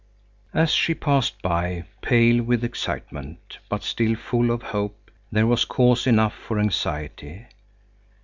As she passed by, pale with excitement, but still full of hope, there was cause enough for anxiety.